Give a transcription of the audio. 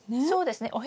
そうですね。